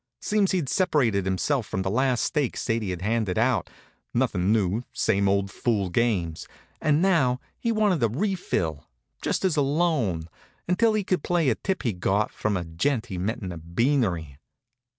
Seems he'd separated himself from the last stake Sadie had handed out nothin' new, same old fool games and now he wanted a refill, just as a loan, until he could play a tip he'd got from a gent he'd met in a beanery.